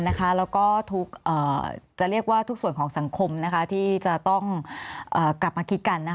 แล้วก็จะเรียกว่าทุกส่วนของสังคมที่จะต้องกลับมาคิดกัน